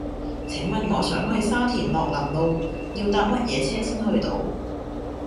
請問我想去沙田樂林路要搭乜嘢車先去到